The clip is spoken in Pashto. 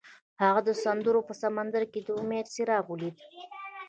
هغه د سرود په سمندر کې د امید څراغ ولید.